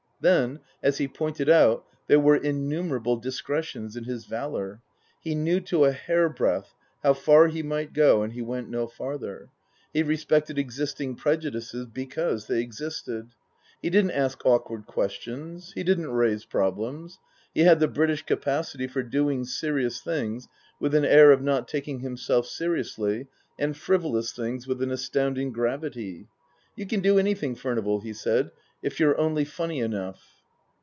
Then, as he pointed out, there were innumerable discre tions in his valour. He knew to a hairbreadth how far he might go, and he went no farther. He respected existing prejudices because they existed. He didn't ask awkward questions ; he didn't raise problems ; he had the British capacity for doing serious things with an air of not taking himself seriously and frivolous things with an astounding gravity. " You can do anything, Furnival," he said, " if you're only funny enough."